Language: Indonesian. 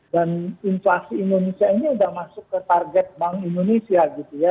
dan inflasi indonesia ini udah masuk ke target bank indonesia gitu ya